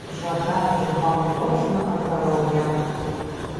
Жадаем вам моцнага здароўя!